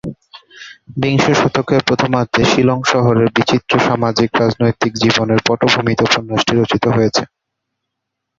বিংশ শতকের প্রথমার্ধের শিলং শহরের বিচিত্র সামাজিক-রাজনৈতিক জীবনের পটভূমিতে উপন্যাসটি রচিত হয়েছে।